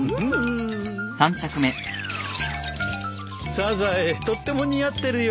サザエとっても似合ってるよ。